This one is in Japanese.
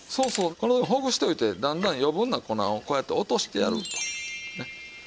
これほぐしておいてだんだん余分な粉をこうやって落としてやるという事です。